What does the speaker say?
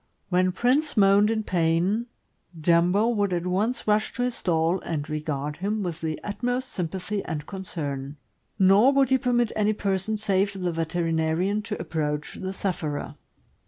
When Prince moaned in pain, Jumbo would at once rush to his stall and regard him with the utmost sympathy and concern; nor would he permit any person save the veterinarian to approach the sufferer.